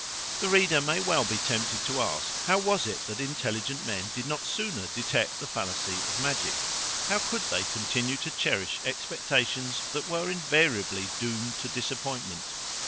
The reader may well be tempted to ask, How was it that intelligent men did not sooner detect the fallacy of magic? How could they continue to cherish expectations that were invariably doomed to disappointment?